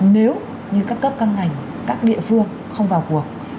nếu như các cấp các ngành các địa phương không vào cuộc